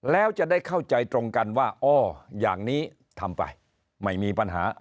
แล้วจะได้เข้าใจตรงกันว่าอ้ออย่างนี้ทำไปไม่มีปัญหา